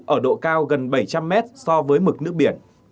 ở độ cao gần bảy trăm linh mét so với mực nước biển